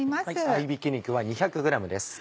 合びき肉は２００ｇです。